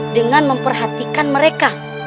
dengan memperhatikan mereka